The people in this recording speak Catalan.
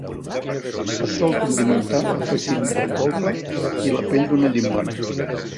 Se sol condimentar afegint la polpa i la pell d'una llimona.